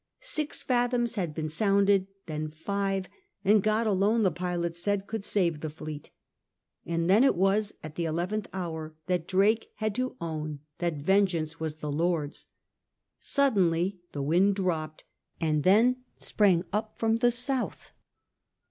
Six fathoms had been sounded, then five, and Grod alone, the pilots said, could save the fleet. And then it was at the eleventh hour that Drake had to own that vengeance was the Lord's. Suddenly the wind dropped, and then sprang up from the south.